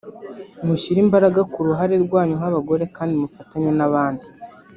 mushyire imbaraga ku ruhare rwanyu nk’abagore kandi mufatanye n’abandi